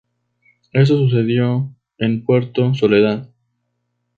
Esto sucedió en Puerto Soledad.